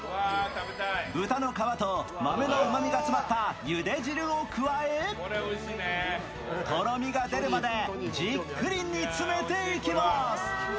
豚の皮と豆のうまみが詰まったゆで汁を加えとろみが出るまでじっくり煮詰めていきます。